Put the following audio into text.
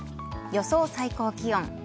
予想最高気温。